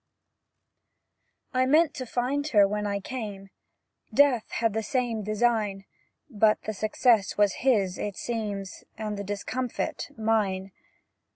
I meant to find her when I came; Death had the same design; But the success was his, it seems, And the discomfit mine.